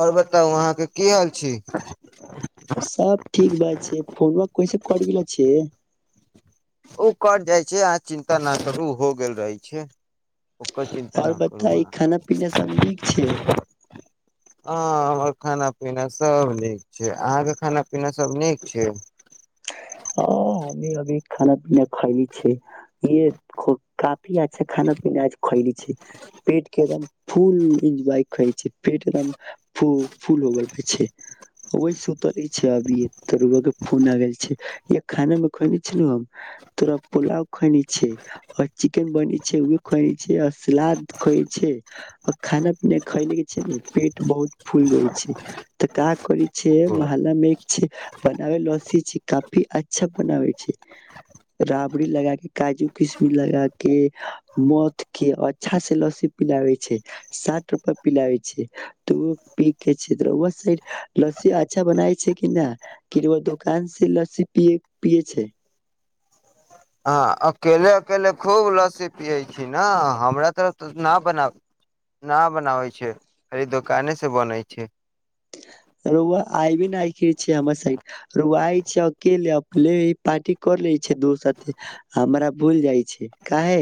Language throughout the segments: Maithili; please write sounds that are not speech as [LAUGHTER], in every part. और बताउ अहाँ के के आइल छी सब ठीक बात छै फोनवा कइसे कट गिला छै ओ कट जाइ छै अहाँ चिन्ता न करू हो गेल रहै छै ओकर चिन्ता और न करू बताइ अहाँ खाना पीना सब नीक छै हँ हमर खाना पीना सब नीक छै अहाँके खाना पीना सब नीक छै हँ हमे खाना पीना खैली छै ये काफी अच्छा खाना पीना खैली छै पेट के एकदम फुल एन्ज्वाइ कैछै पेट एकदम फू फूल हो गल छै वै सुतले छै अभीये त रउआ के फून आ गेल छै या खाना में खइनी छीनु हम थोरा पोलाव खइनी छै और चिकेन बने छै उहे खए छै आ सलाद खए छै आ खाना पीना खएले के छेनु पेट बहुत फूल छै तऽ का करे छै मोहल्ला में एक छै बनावेलसी छै अच्छा बनावे छै राबड़ी लगा के काजू किशमिश लगा के मथ के अच्छा से लस्सी पिलाबे छै साठ रूपा पिलाबे छै त ओ पीेके छै त रउआ साइड लस्सी अच्छा बनावै छै कि न कि रउआ दोकान से सी पी पीए छै हँ अकेले अकेले खूब लसी पियै छी न हमरा तरफ तऽ न बना न बनाबै छै खाली दोकानेसँ बनैत छै रउआ आइबे नहि करै छै हमर साइड रउआ आइ छै अकेलेे अकेलेे ही पार्टी कर लै छै दोस साथे हमरा भूल जाइ छै काहे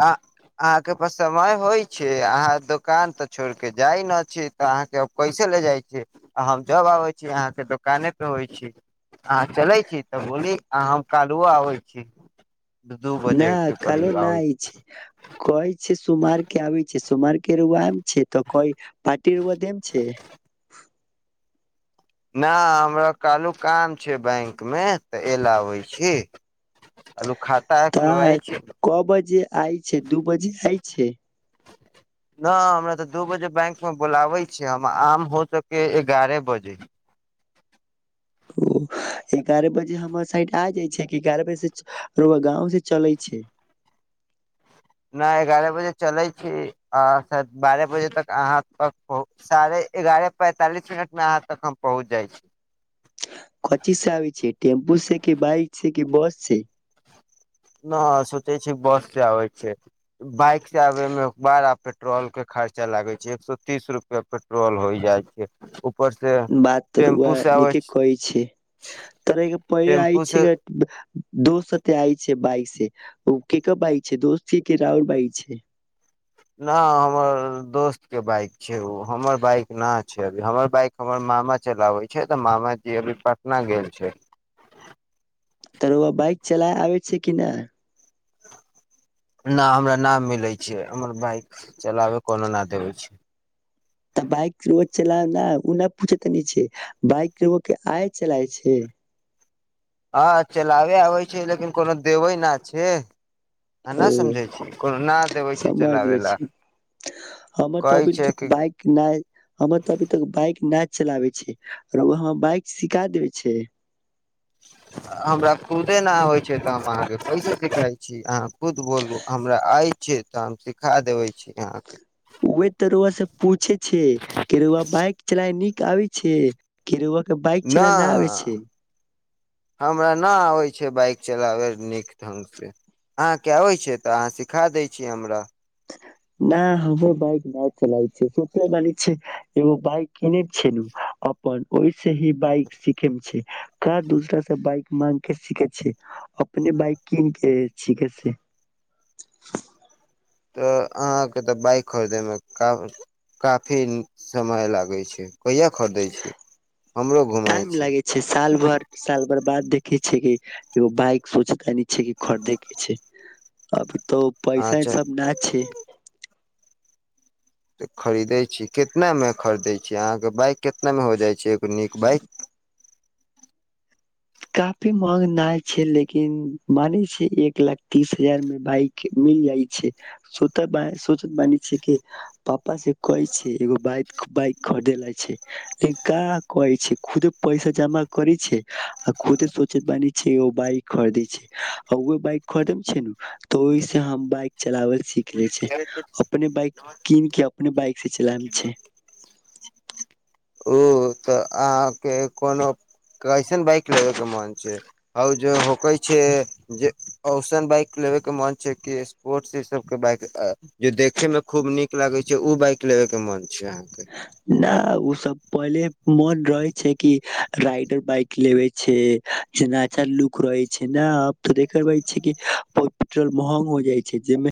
आ अहाँके प समय होइ छै अहाँ दोकान तऽ छोड़ के जाइ ने छी तऽ अहाँके कैसे ले जाइ छी आ हम जब आबै छी अहाँके दोकाने पे होइ छी अहां चलै छी तऽ बोली आ हम क्हिओ आबै छी दू बजे न के खलो करीब आबै नहि छै कहै छै सोमारके आ छै सुमारके रूव एम छै त कोइ पारटी रुव देम छै नहि हमरा कहलू काम छै बैंक मे तऽ एल आबै छी अबू खाता है तऽ खोलबाइ छै क बजे आइ छै दू बजे आय छै नहि हमरा तऽ दू बजे बैंकमे बुलाबै छिय हम आम हो सकेै एगारह बजे ओ एगारह बजे हमर साइड आ जाइ छै एगारह बजे से गाँव से चलै छै नहि एगारह बजे चलै छी आ बारह बजे तक अहाँ तक पहु साढ़े एगारह पैंतालिस मिनट मे अहाँ तक हम पहुँच जाइ छी क्ची से आ छै टेम्पू छै कि बइक छै कि बस छै न स ते छै बस से आै छै बाइक से आबे में अखबार आ पे पेट्रोल के खर्चा लागे छै एक सए तीस रुपआ पेट्रोल होय जाइ छै ऊपर से बात तोरए टेम्पू से आबै नीके कहै छै तर पहिले टेम्पू आइ से छै दोे आइ छै बइ से ओ के क बइ छै दोस्ती के रउल बाइ छै न हमर दोस्त के बाइक छै ओ हमर बाइक न छै अभी हमर बाइक हमर मामा चलाबै छै तऽ मामा जी अभी पटना गेल छै तरो आ बइक चलाय आ छै कि नहि नहि हमरा नाम मिलै छै हमर बाइक चलाबय कोनो न देबै छै तऽ बाइक चल ओ नहि पूछ त छै बाइक के आइ चलाय छै हँ चलाबे आबै छै लेकिन कोनो देबे न छै आ न समझै छी कोनो न ओ देबै छै समझ चलाबे गेल ला छै हमर तऽ कहै अभी छै तक कि बइक नहि हमर तऽ अभी तक बाइक नहि चलाबै छै आर वहाँ बाइक सिखा देब छै हमरा खुदे नहि आबैत छै तऽ हम अहाँके कैसे सिखाइ छी अहाँ खुद बोलू हमरा आय छै तऽ हम सिखा देबै छी अहाँके उहे तऽ रउआ से पूछे छै कि रउआ बाइक चलाय नीक आबै छै कर व त बाइक न चलाय नहि आबै छै हमरा नहि आबै छै बाइक चलाबय लेल नीक ढङ्गसँ अहाँके आबैत छै तऽ अहाँ सिखा दैत छी हमरा नहि हमर बाइक नहि चलाइ छै सोचल छै एगो बाइक किने छै अपन ओहिस ही बाइक सीखेमे छै क दोसरा से बाइक माग के सीखे छै अपने बाइक कीन के सीखे छै तऽ अहाँके तऽ बाइक खरीदयमे का काफी समय लागै छै कहिा खरीदै छी हमरो घुमाइ टाइम छी लागय छैक साल भर साल भर बाद देखैय छियैक कि एगो बइक सोचैत छि कि खरदे केँ छैक अब तऽ पैसा अहाँ सब न छैक तऽ खरीदै छी कितनामे खरीदै छी अहाँके बाइक केतनामे हो जाइ छैक एगो नीक बाइक काफी महंगना छैक लेकिन मानै छैक एक लाख तीस हजार मे बाइक मिल जाइ छैक मानै छ पापा से कहै छै एगो बाइक खरीद ल छै लेकिन कह कहै छै खुदे पैसा जमा करै छै आ खुद सोचैत बानी छैक ओ बाइक खरीद छैक ओ बाइक खरिदय छै न तो ओहि से हम बाइक चलावल सिख ले छै अपने बाइक कीन केँ अपने बाइक से चलाय छै उ तऽ अहाँके कोनो कयसन बाइक लेवे केँ मन छैक जे होके छैक जे औसन बाइक लेवे के मन छैक कि स्पोर्टस सब केँ बाइक जे देखे मे खूब नीक लागय छैक उ बाइक लेबे केँ मन छैक नहि ओ सब पहिले मन रहे छैक कि राइडर बाइक लेबय छैक जे अच्छा लुक रहय छैक ने अब तऽ देख रहय छैक कि पेट्रोल महंग हो जाइत छैक जाहिमे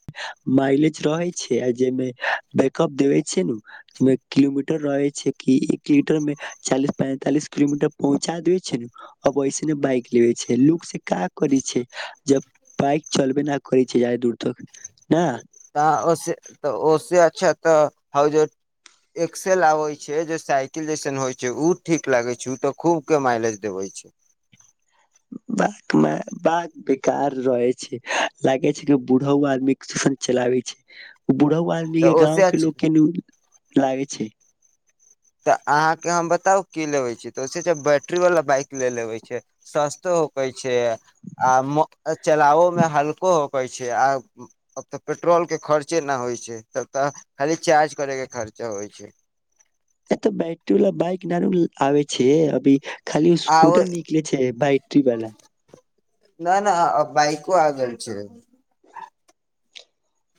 माइलेज रहय छैक आ जाहिमे बैकअप देवय छैक नमे किलोमीटर रहय छै कि एकोमीटर मे चालीस पैंतालिस किलोमीटर पहुँचा देय छै ने अ वैसे ने बाइक लेबे छै लुक से का करै छै जब बाइक चलबे न करै छै जादे दूर तक न तऽ ओस तऽ ओस अच्छा तऽ ह जे एक्सेल आबै छै जे साइकिल जैसन होइ छै ओ ठीक लागै छै ओ तऽ खूबकेँ माइलेज देबै छै बेकार रहै छै लागे छै कि बूढ़ ओ आदमी किछूषन चलाबै छै बुढ़ो आदमी केँ तऽ ओसे गाँंव केँ अच्छा लोक केँ लागै छै तऽ अहाँके हम बताउ की लेबै छी तऽ ओसे ज बैटरीवला बाइक लऽ लेबै छै सस्तो होकै छै आ म चलाबोमे हल्को होकै छै आ तऽ पेट्रोलकेँ खर्चे नहि होइ छै तब तऽ खाली चार्ज करयकेँ खर्चा होइत छैक ए तऽ बैटरी वला बाइक नहि न आबय छैक अभी खाली ओ आ स्कूटर निकलय छैक बैट्ररी वाला न न बाइको आ गेल छैक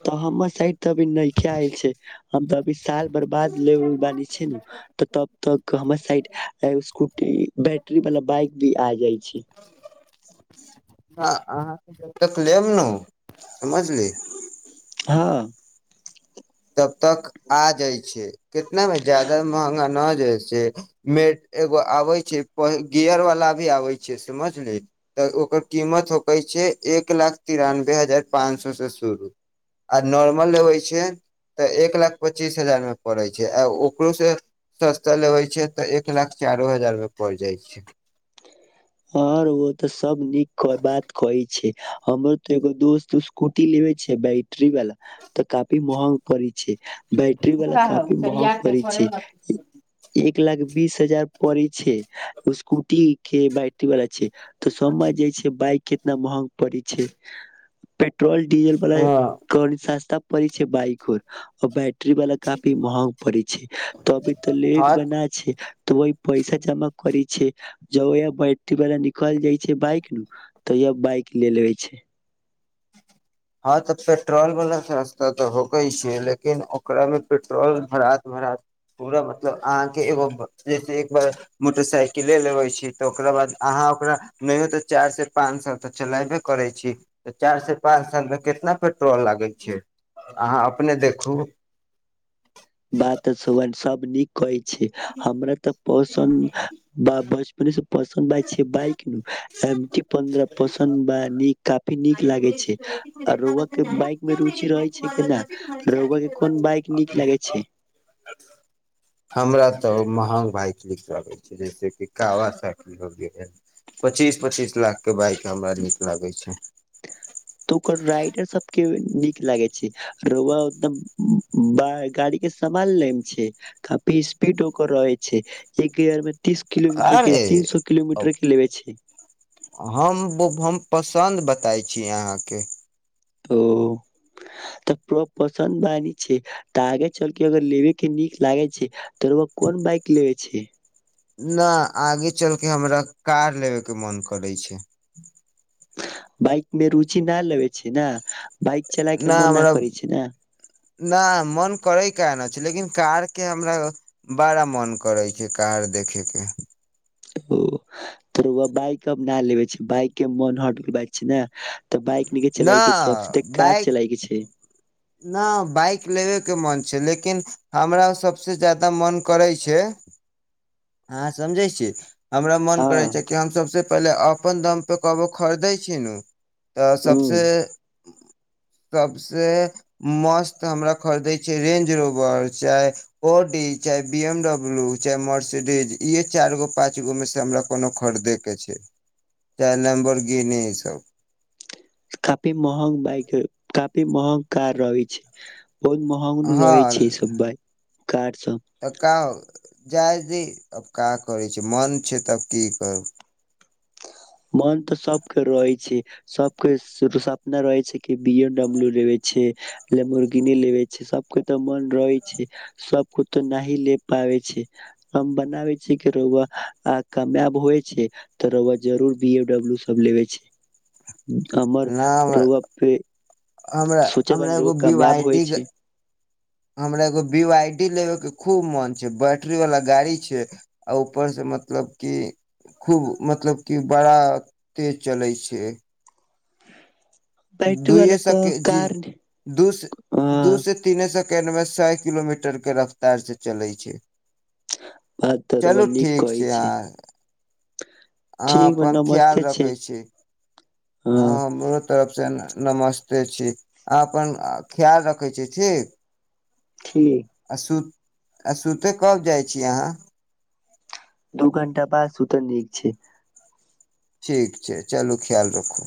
तऽ हमर साइड तऽ अभी नैखे आयल छैक हम तऽ अभी साल बरबाद ले बानी छै न तऽ तब तक हमर साइड स्कूटी बैटरी वाला बाइक भी आ जाइत छैक अहाँ जब तक लेम ने समझली हँ तब तक आ जाइ छैक कितनामे जदा महंगा नहि जाइत छैक मे एगो आबै छैक गियर वाला भी आबैय छैक समझलिय तऽ ओकर किमत होकै छैक एक लाख तिरानबे हजार पाँच सए से शुरू आ नॉर्मल अबैय छैक तऽ एक लाख पच्चीस हजारमे पड़ैय छैक आ ओकरोसँ सस्ता लेबैय छैक तऽ एक लाख चारो हजारमे पड़ि जाइ छैक आओर तऽ सब नीक बात कहय छैक हमरो तऽ एगो दोस्त स्कूटी लेबे छै बैटरी वाला तऽ काफी महग पड़ी छै बैटरी वाला काफी महग पड़ै छै एक लाख बीस हजार परै छै ओ स्कूटी के बै टरी वाला छै तऽ सय जे छै बाइक केँ नहि महग पड़ै छै पेट्रोल डिज़ल बला हँ कनि सस्ता परै छैक बाइक होब बैट्री वाला तऽ काफी महग पड़ैय छैक त अभी तऽ लेग हँ बना छैक त ओहि पैसा जमा करय छैक जब बैटरी बला निकल जाइत छैक न बाइक त बाइक ले लेबय छैक हँ तऽ पेट्रोलवला तऽ सस्ता त होबै छैक लेकिन ओकरामें पेट्रोल भरा भरा पूरा मतलब अहाँके एगो जैसे एक बार मोटरसाइकिले लेबय छी तऽ ओकरा बाद अहाँ ओकरा नहि तऽ चारिसँ पाँच साल तऽ चलेबे करैत छी तऽ चारिसँ पाँचा मे कितना पेट्रोल लागय छैक अहाँ अपने देखू बात सुबन सब नीक कहि छी हमरा तऽ पोषण मने [UNINTELLIGIBLE] पसन छैक बाइक न पसन्द बा न काफी नीक लागे छैक रोउआ केँ बाइक मे रुचि रहे छैक न रोवा केँ कोन बाइक नीक लागय छैक हमरा तऽ महँग बाइक नीक लागय छैक जैसेेकी कारवा सब- पच्चीस पच्चीस लाख केँ बाइक हमरा नीक लागय छैक तऽ ओकर राइडर सब केँ नीक लागय छैक रवा एकदम [UNINTELLIGIBLE] गाड़ी केँ समाल लेम छियैक काफी स्पीड ओकर रहय छैक एक गेअर मे तीस किलोमीटर केँ अरे तीन सो किलोमीटर केँ लेबे छै चन्द बताै छी अहाँके [UNINTELLIGIBLE] ओ तऽ पसन्द बानी छैक तऽ आगे चलकेँ अगर लेबे केँ नीक लागय छैक त रउआ कोन बाइक लेबय छैक नहि आगे चलकेँ हमरा कार लेबेकेँ मन करय छैक बाइक मे रुचि नहि लेबय छैक ने बाइक चलाय के नहि मन न हमरा करे छै ने नहि मन करय केना न छैक लेकिन कार केँ हमरा बड़ा मन करै छैक कार देखे केँ ओ त रउआ अब बाइक न लेबे छैक बाइक केँ मन हट गेल छैक ने तऽ बाइक नैखे न चलाय के छै अब सीधे कार बाइक चलाय के छै। न बाइक लेबे केँ मन छै लेकिन हमरा सबसे जादा मन करय छैक हँ समझय छी हमरा मन करय हँ छैक कि हमस सबसँ पहिले अपन दाम पे कहबो खरीदे छिनू तऽ सभसे ह सबसे मस्त हमरा खरीदै छैक रेंज रोबर चाहे ओ डी चाहे बीएम डब्ल्यू चाहे [UNINTELLIGIBLE] काफी महँग बाइक ह काफी महँग कार रहय छैक बहुत महँग नु रहय छैक ई हँ सब बाइक कार सब तऽ का जाय दी अब का करय छै मन छै तब की करब सब के सपना रहे छै कि बिएमडबलू लेबे छै ल लेमबरगिनी लेबे छै सब को तऽ मन रहे छै सबक तऽ न ले पाबै छै हम बनाबे छै रउआ आ कामयाब होइ छै तऽ र जरूर बी ए डब्लू सब लेबे छै हमर ना हमरा रोउआ पे हमरा सोचे हमरा बानी एगो रौआ बी वाइ कामयाब डी होइ के छै हमरा एगो बी वाइ डी लेबयके खूब मोन छै बैटरीवला गाड़ी छै आ ऊपरसँ मतलब कि खूब मतलब कि बड़ा तेज चलैय छै बैटरी वाला दूयए तऽ सके जी कार दू से दू ह से तीने सके सेकेंड में सए किलोमीटर के रफ्तार से चले छै बात तोरबा चलू नीक ठीक कहै छै आ अह ठीक बा अपन ख्याल नमस्ते छै रखे छी अ हाँ हमरो तरफ से ना नमस्ते छी अहाँ अपन ख्याल रखै छी ठीक ठीक असु आ सुते कब जाइ छी अहाँ दू घण्टा बाद सुू तऽ नीक छै ठीक छै चलू ख्याल रखू